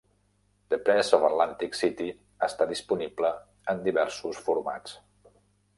"The Press of Atlantic City" està disponible en diversos formats.